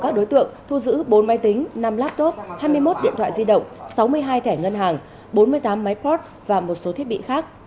các đối tượng thu giữ bốn máy tính năm laptop hai mươi một điện thoại di động sáu mươi hai thẻ ngân hàng bốn mươi tám máy pot và một số thiết bị khác